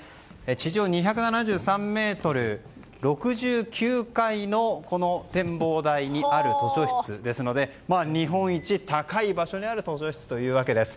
地上２７３ｍ、６９階のこの展望台にある図書室ですので日本一高い場所にある図書室というわけです。